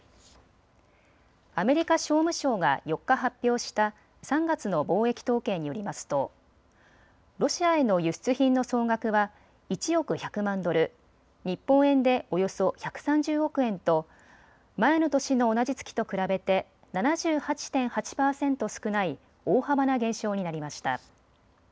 アメリカ商務省が４日、発表した３月の貿易統計によりますとロシアへの輸出品の総額は１億１００万ドル、日本円でおよそ１３０億円と前の年の同じ月と比べて７８．８％少ない大幅な減少になりました。